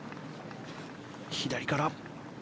左から。